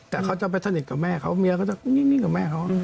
แต่เขาจะไปสนิทกับแม่เขาเมียเขาจะนิ่งกับแม่เขา